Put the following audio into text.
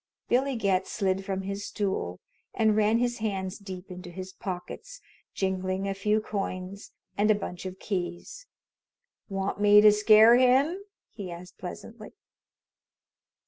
Billy Getz slid from his stool and ran his hands deep into his pockets, jingling a few coins and a bunch of keys. "Want me to scare him?" he asked pleasantly.